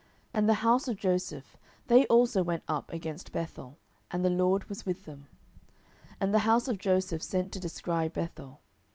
07:001:022 And the house of Joseph, they also went up against Bethel: and the LORD was with them. 07:001:023 And the house of Joseph sent to descry Bethel.